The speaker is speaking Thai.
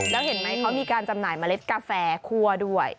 แล้วเห็นไหมเขามีการจำหน่ายเมล็ดกาแฟคั่วด้วย